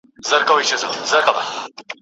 بې منزله مسافر یم، پر کاروان غزل لیکمه